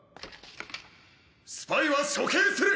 スパイは処刑する！